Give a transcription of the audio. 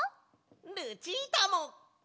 ルチータも！